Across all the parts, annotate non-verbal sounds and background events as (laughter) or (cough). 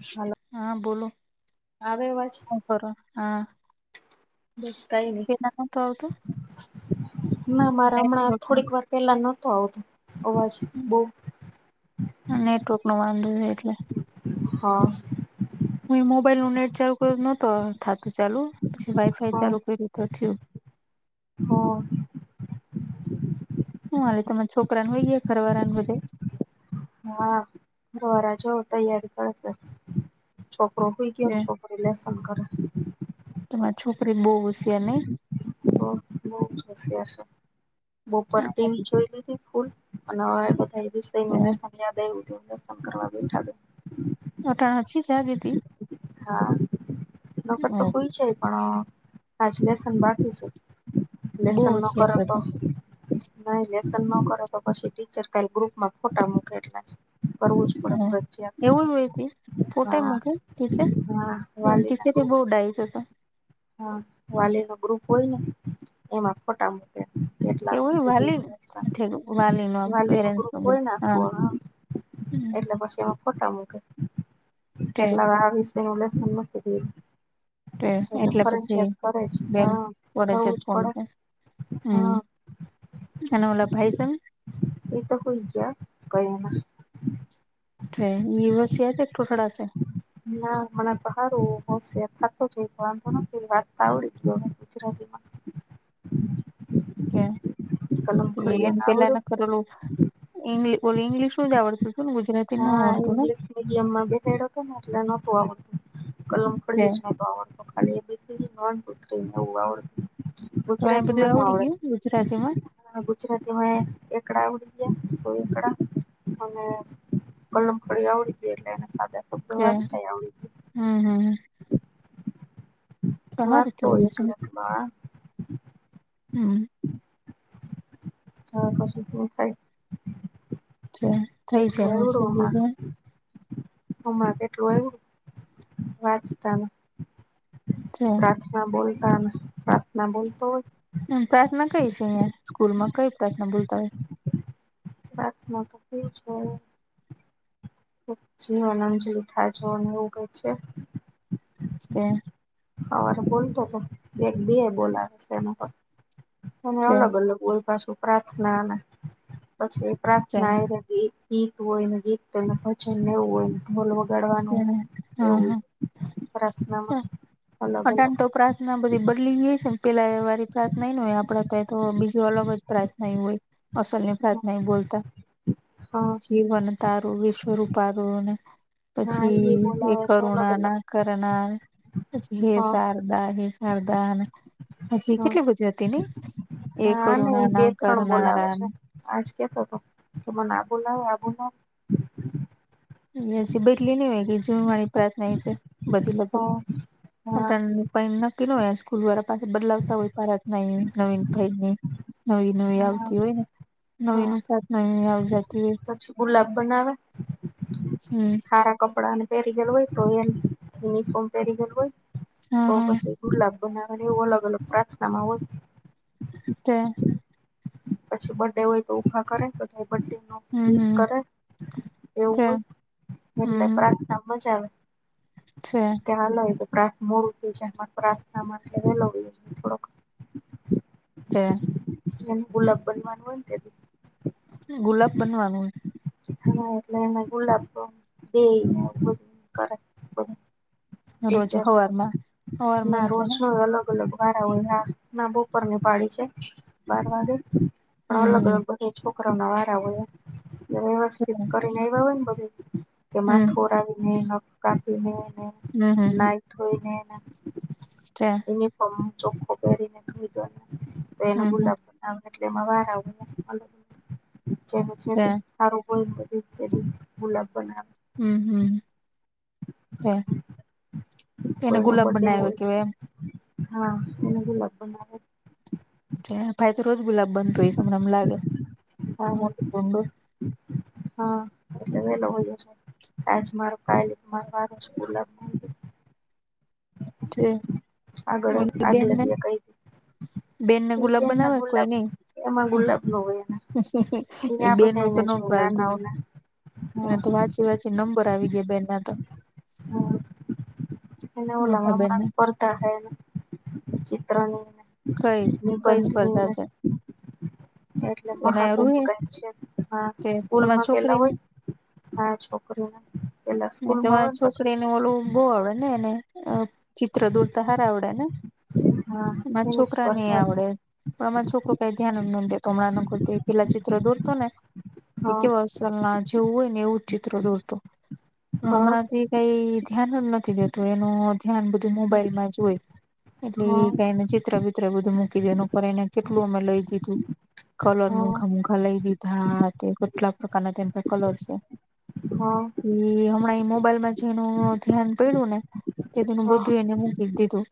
Hello હા, બોલો, હું કરો? હા. બસ કઈ નઈ (unintelligible) ના, મારા હમણાં નેટવર્ક થોડીક વાર પહેલાં નહોતો આવતો અવાજ. બહુ આ નેટવર્કનો વાંધો એટલે. હા. હુંઇ મોબાઈલનું નેટ ચાલુ કર્યું નતો થાતો ચાલુ, પછી વાઈ-ફાઈ હા ચાલુ કર્યું તો થયું. હા. હું હાલે તમારા છોકરાનુ સુઈ ગયા ઘરવાળા ને બધાય? હા, ઘરવાળા જોવ તૈયારી કરશે. છોકરો સુઈ ગયો, ને છોકરી લેસન કરે. તમારી છોકરી બવ હોશિયાર નય? હા બહુ હોશિયાર છે, બોપોરે ટીવી જોઈ લીધી ફુલ. અને હવે બધા વિષય નું લેસન યાદ આવ્યું તો લેસન કરવા બેઠા બેન. (inaudible) હા નકર હો તો સુઈ જાય પણ આજ લેસન બાકી છે બહુ લેસન ન કરો હોશિયાર તો નઈ લેસન ન કરે તો પછી ટીચર કઇ ગ્રુપમાં ફોટા મૂકે એટ એવું હોય કે, ફોટો એ હા મૂકે. ટીચર હા વાલી ના ટીચર એ ગ્રુપ બોર્ડ આવી તો તો હા વાલી નો ગ્રુપ હોયને એમાં ફોટા મૂકે (unintelligible) લા કેવું વાલી વાલી નો હિમાલીય નગર પેરેન્ટ્સ નો ગ્રુપ પહ હા કોવા એટલે પછી એમાં ફોટા મૂકે, તે કેટલા વાળા વિષય નુ લેસન નથી થયું. કે એટલે પછી કરે જ બેન હા પેડે છે કરવું જ ફોન પડે પર, હમ્મ હા અને ઓલા ભાઈ છેને. એ તો હુઇ ગયા, કઈને. ટ્રેન યુવસ છે, એક ટુકડા છે (inaudible) ના ના (unintelligible) આવડી ગયું અમે ગુજરાતી (inaudible) છે, તે એમ પેલા ના કરેલું ઇંગ્ ઓલું ઇંગ્લિશ નુજ આવડતું હતું ને, ગુજરાતી ન આવડતુંને ડયમમાં બેસાડિયો હતો ને એટલે નતતો આવડતું, કલમ તે પડીજ નતો આવડતું (unintelligible) તો આ બધું આવડી ગયું ગુજરાતી માં ગુજરાતીમાં એકડા આવડી ગયા સો એકડા અને કલમ ખડ્યો આવડી ગયો એટલે એના સાદા શબ્દ જે વાચતા આવડી હમ ગયું. હમ વાત સારું તો કેવાય એક બીજું લખમાં હમ (inaudible) થઈ થઈ જાય હશે બીજું હમાં કેટલું આવું વાંચતાનું હું. પ્રાર્થના બોલતા પ્રાર્થના બોલતો હોય હમ પ્રાર્થના કઈ છે અહિયાં સ્કૂલ માં કઈ પ્રાર્થના બોલતા હોય પ્રાર્થના તો ઈજ હોય. ખ જીવનમ જ (inaudible) લ થા જોને એવું ક છે ઓ હવારે બોલતો તો એક બીએ છે એમાં અને છે અલગ અલગ કોઈ પાછું પ્રાર્થનાના પછી છે પ્રાર્થના એ ગીત હોય ને ગીતને ભજન એવું હોય ને ઢોલ છે વગાડવાનું એવું પ્રાર્થનામા (inaudible) ના બધી બદલી ગઈ છે ને પેલા એ વારી પ્રાર્થનાને હોય આપડ તો તો બીજું અલગ જ પ્રાર્થના હોય અસલ ની પ્રાર્થના એ બોલતા હા. જીવન તારું વિશ્વરૂૂપારું હા પછી એ બોલાવે છે અલગ કરુણા અલગ ના કરના પછી હે હા સરારદા હે સરારદા હજી હા કેટલી બધી હતી ને એ હા ને એ કરુણા બે ના ત્રણ બોલાવે કરનારા છે આજ કેતો હતો કે મન આબોલાવ આબુલાવ (unintelligible) બદલી ન હોય કે (unintelligible) પ્રાર્થના એ છે બધી લગભગ હા હું હા તન પણ નક્કી ન સ્કૂલ વાળા પાસે બદલાવતા હોય પારત ન નવીન ભાઈની એ. નવી નવી હા આવતી હોય ને હા નવીન એ પ્રાર્થના આવજત. પછી ગુલાબ બનાવે. હમ. કપડા ને પહેરી ગયેલું હોય તો એ યુનિફોર્મ પહેરી ગયેલું હોય હા તો હા પછી દુર્લા બનાવ એવું અલગ અલગ પ્રાર્થનામાં હોય. તે. પછી બ્રડે હોય તો ઊભા કરે પછી બ્રડે નું હમ વિશ હમ કરે એવું છે હોય એટલે હમ પ્રાર્થનામાં મજા આવે. છે. કે હાલો એતો પ્રાર્થ મોડું થઈ જાય પ્રાર્થના માટે વેલો વયો જાય થોડક (inaudible) એને ગુલાબ બનવાનું હોય ત્યાં. ગુલાબ બનવાનું. હા એટલે એ ગુલાબ દેઈ ને એવું બધું કરે. (unintelligible) રોજ હવારમાં હવારમાં છે ને રોજે અલગ અલગ હો હોય ના બપાર ની પાડી છે બાર વાગે પણ અલગ હમ બધે છોક કરા ના વારા હોય જે છે. વ્યવસ્થિત કરીને આયવા હોય ને બધુ હમ માથું ઓરાવી ને નખ કાપીને હમ હમ નઈ ધોઈને તે. યુનફોર્મ ચોખ્ખો પેરીને થોડીક વાર તો એને હમ હમ ગુલાબ આમ એટલે હવારે (inaudible) છે કોઈ તદી ને તેદી ગુલાબ બના હમ હમ તેને કોઈનો ગુલાબ બર્થડે બનાવે હોય કેવાય એમ. હા એને ગુલાબ બનાવે. ભાઈ તો રોજ ગુલાબ બનતો હશે મને એમ લાગે હા (unintelligible) હા એટલે વેલો વયો જાય આજ મારો (unintelligible) માર વારો છે ગુલાબ. નો છે આગળ ઓલી આગલે બેનને દિયે કઈ. બેનને ગુલાબ (inaudible) ના બનાવે કોઈ ગુલાબ નઈ એમાં ગુલાબ ન હોય એના એ એયા બેનનું તો બધાને ન જો ચાલતું હોય નાનાઓના એને હા. તો વાંચી વાચી નંબર આવી ગયા બેન ના તો. હમ એને ઓલા મોટા બેન ના હમણા સ્પર્ધા હે. ચિત્રા નુ ને. કઈ કઈ સ્પર્ધા છે. એટલે એને મહાકુંભ રૂહે કય છે પણ કે તમારી સ્કૂલમાં પેલા છોકરીને હોય હા છોકરીને પેલા સ્કૂલ માં હોય પછી ક્રીન એલુ બહુ આવડે ને એને ચિત્ર દોરતા હારા આવડે ને. હા માર એની છોકરા નેઈ સ્પર્ધા છે આવડે. પણ મા છોકરો કઈ ધ્યાન જ ન દેતો હમણાં નકો ઈ તો પેલા ચિત્ર દોરતો ને. તે હા કેવુ અસલના જેવું હોય ને એવું જ ચિત્ર દોરતો હા હમણાંથી કઈ ધ્યાન જ નથી દેતું એનું ધ્યાન બધું હા મોબાઈલમાં જ હોય. હા એટલી ટાઈમે જ. મિત્ર મિત્ર બધું મૂકી દે એને ઉપર એને કેટલું અમ એટલે એમ કલર મૂધા મૂધા લઈ દીધા તે કેટલા પ્રકારના તેમને કલર છે. હા. એ હમણાં એ મોબાઈલમાં જેનું ધ્યાન પડ્યું ને તે તેનું બધું એને મૂકી દીધું.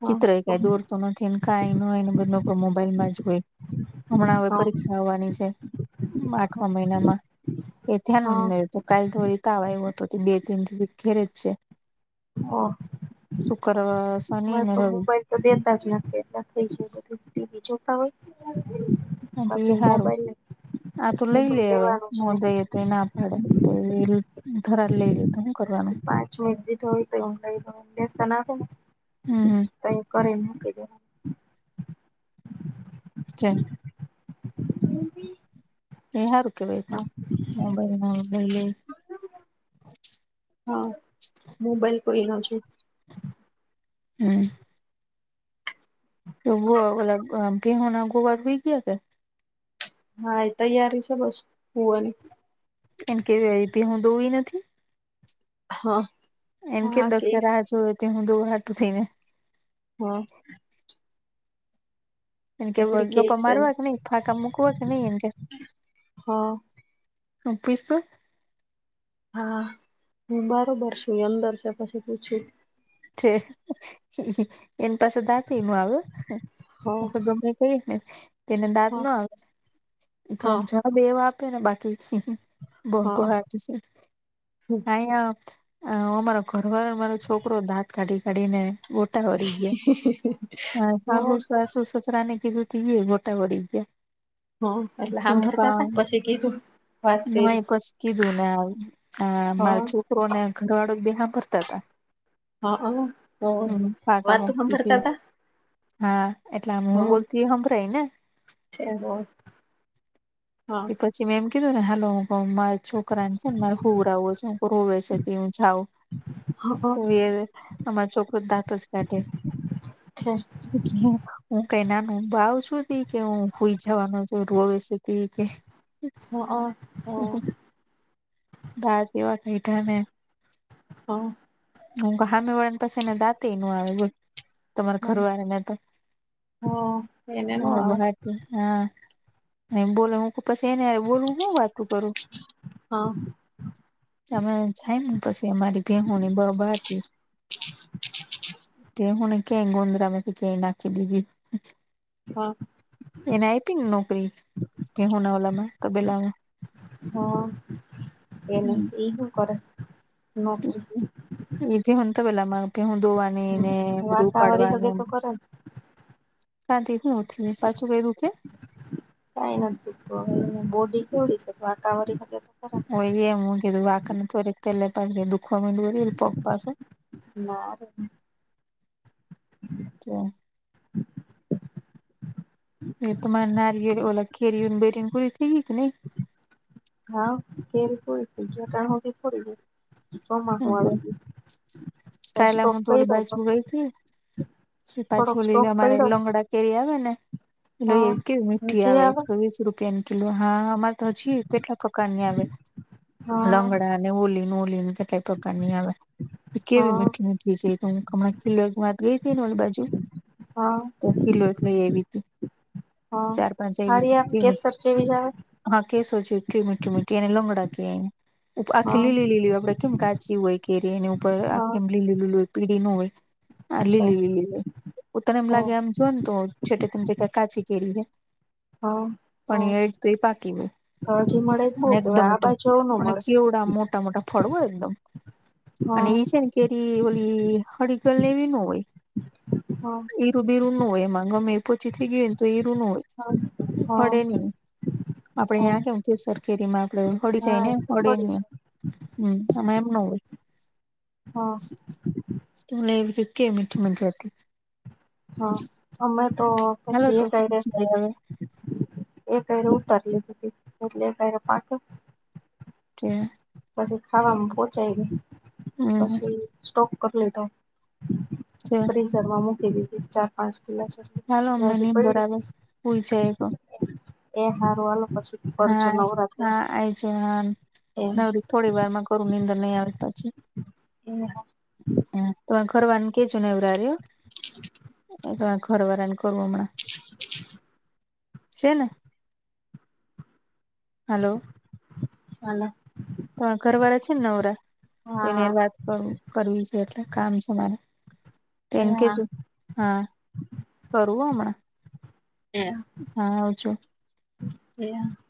હા. હા દોડતો નથી ને કાય નય (unintelligible) બધ મોબાઈલમાં જ હોય હમણાં હવે પરીક્ષા આવવાની છે આઠમા મહિનામાં એ હા થયા તો કાલે તો તાવ આવ્યો હતો બે તન થી ઘેરેજ છે. હા શુક્ર શનિ અમારે ને તો રવિ. મોબાઈલ તો દેતા જ નાખે એટલા થઈ જાય તો જોતા જ હોય. (unintelligible) હથી બાકી હારું મોબાઈલ આ તો લઈ લે મોબાઈલ હવે દેવાનો જ હું નહી દય તો એ ના પાડે તો એ ધરા લઈ લે તો હું કરવાનું. પાંચ મિનટ દીધો હોય તો એ લેશન આપો. હમ તય કરીને આપી દેવાનું હ (unintelligible) (unintelligible) હમ એ સારું કેવાય પણ મોબાઈલ ના દયે હા મોબાઈલ કોઈનો છે. હમ્મ (unintelligible) તોલમપ ગેહુના ગોવા હોઈ ગયા કે હા એ તૈયારી છે. બસ સુવાની કેમ કે હું (unintelligible) દઉ નથી હા.... એમ કે હા દક્ષા કેસ રાહ જોવે એટલે હું (unintelligible) દોડટું થઈ ને. હા.... એમ કે આપડે (unintelligible) કેસ ગપા છે ને મારવા કે નહી ફાકા મુકવા નઈ એમ કે હા (inaudible) હા હું બરોબાર છું. અંદર છે પછી પૂછું એની પાસે (unintelligible) ના થ આવ્યો હા ગમે. (unintelligible) થ ને તેને દાદ હા ના આવે તો આમ હા જવાબ એવો આપે ને બાકી. (unintelligible) બહ હા છે હા ઘરવારો મારો છોકરો દાંત કાઢી કાઢીને. ગોટા વળી (unintelligible) ગયા હ હાસ સસરાને કીધું તો એઈ ગોટા વળી ગ્યા. હા એટલે સાંભળતા તા કે પછી કીધું. વાત કરી હુઈ પસી કીધું ને આવ આ હા માર છોક. રોને ઘરવાળો બે સાંભળતા હતા. હઅ તો હમ ફાકા વાત તો મુકતી તી સાંભળતા હતા. હા એટલે આમ હું બોલતી સંભલાયને. છે (unintelligible) હા પછી મેં એમ કીધું ને હેલો હું (unintelligible) મોલમાં છું. છોકરાને મારે સુવરાવો છે. સુવે છે. હું જાઉ હા તોઈ એ અમારો છોકરો દાંત જ કાઢે. છે હું ક (unintelligible) ના ન ભાવ છુંધી કે હું હોઈ જવાનો રોવે છે. બી હા હા ભાત એવા (unintelligible) મીઠાને હ.... હ હામી વળા પછી ને દાતે નું આવે. તમાર ઘરવાળા ને તો. હા એને ન આવે બોલો હ પછી બોલવું શું વાતું કરું. (unintelligible) હા... તમે જાય પછી ભીહોની બબાટી. તે હ કે ગુંદરા મે ક કે નાખી દીધી (unintelligible) હા એને આપી ને નોકરી કે હોના વાલામાં તેલામાં. (unintelligible) હમ હમ. એવું કર (unintelligible) એ હને તો પેલામાં હું ઘેઉ ધોવાનીને બધું વાકાવારી હગે ઉપાડવાનું. તો કરે ને કાથી હુંઠીને પાછું કઈધું કે (unintelligible) કઈ નથી તું હવે બોડી કેવડી છે. તો વાટવારી તો ખરાબ હોય એ મુગું વાઘકને પોરીક તલે પ દુખમી બરી એ પપાસું. હારુ..... તો (inaudible) હ (inaudible) એ તમારે નારીઓ ઓ કેરીયન બરીન કો થ કે નઈ. હા કેલ જટણ હોતી થોડી દર (unintelligible) હ તો ગયું કાલે સ્ટોક હું તો ઓલી કર્યો બાચું ગઈ હતી. પાછો થોડોક લઈને સ્ટોક અમારે પડ્યો લોંગડા કેરી આવે ને લો હા એવી કેવી મીઠી આવે એકસો વીસ રૂપિયાની. કીલો હા અમારે તો હજી કેટલા પ્રકારની આવે હા લંગડા અને ઓલી નોલી ન કેટલાય પ્રકારની આવે. કેવી હા મીઠી મીઠી છે તો હું હમણાં કિલ્લો વાત ગઈ હતી ને ઓલ બાજુ. હા. તો કિલો એક લઈ આવી તું, હા ચાર પાંચ આવી હારી તું આમ કેમ કેસર જેવી જ આવે હા કેશો છે કે મીઠી મીઠી અને લંગડા કેઈ એને, આખી હા લીલી લીલી આપડે કેમ કાચી હોય કેરી એની ઉપર હા આમ લીલું લીલું પીડી ન હોય. આ છે લીલી ઉતર એમ હા લાગે આમ જો ને ત છેટે તેમ જગ્યા કાચી કેરી હા હા પણ એ તો એ પાકી હોય તો હજી મળે જ બઉ અને એકદમ કેવાય આ બાજુ આવું નો અને મળે કેવુ મોટા મોટા મોટા ફળ હોય એકદમ. અને હા એ છે ને કેરી ઓલી હળગર લેવી ન હોય. હમ. હીરું બીરું ન હોય એમાં ગમે એ પોચી થઈ ગય હોને તો હીરું ન હોય હા હા ખડે નહિ. આપડે હા આયા કેવ છે સરખેરીમાં આપડે હોળી હા જાય ને એ તો હોળે ખરી નઈ. છે હમ આમાં એમ ન હોય. હા. તમને જે કે મીઠી મીઠી વાત કહી. હા અમે તો હાલો પછી એ તો કઈ રે. જાય હવે એ કયરે ઉતર લીધી હતી એટલે કર્યું પાછું (inaudible) પછી ખાવામાં પોહચાઈ ગઈ, હમ પછી સ્ટોક કર લીધો. (inaudible) ફ્રીઝરમાં મૂકી દીધી ચાર પાંચ કિલા ચાલો તો અમને હજી નિંદર પયડી આવે છે હુઈ જઈએ તો. એ હારો આલો પછી કરજો હા નવરા થઈને હા આ છે હા એ નવરી થોડી વારમાં કરું નીંદર નહી આવે પછી. (unintelligible) હ તો આ ઘરવારાને કેજો નેવરા રે એ ઘરવારા ને કરુ હમણાં. (inaudible) છે ને, હલો. હાલો. તમારા ઘર વાળા છે ને નવરા તો એને હા વાત કરવું કરવી છે એટલે કામ છે મારે તો એમ કેજો. હા, કરું હો હમણાં. હા આવજો (inaudible)